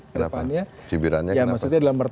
kenapa cibirannya kenapa